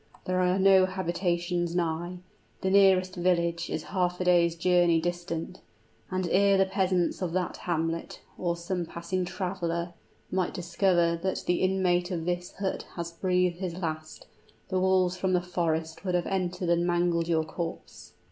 There are no habitations nigh; the nearest village is half a day's journey distant; and ere the peasants of that hamlet, or some passing traveler, might discover that the inmate of this hut had breathed his last, the wolves from the forest would have entered and mangled your corpse."